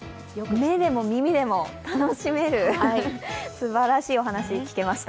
目でも耳でも楽しめる、すばらしいお話、聞けました。